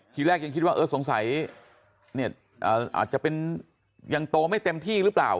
ทีแรกยังคิดว่าเออสงสัยอาจจะเป็นยังโตไม่เต็มที่หรือเปล่า